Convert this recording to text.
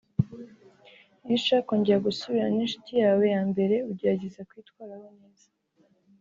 Iyo ushaka kongera gusubirana n’inshuti yawe yambere ugerageza kuyitwaraho neza